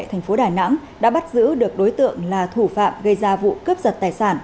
thành phố đà nẵng đã bắt giữ được đối tượng là thủ phạm gây ra vụ cướp giật tài sản